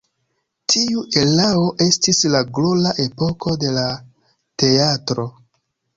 Tiu erao estis la glora epoko de la teatro.